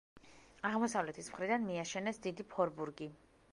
აღმოსავლეთის მხრიდან მიაშენეს დიდი ფორბურგი.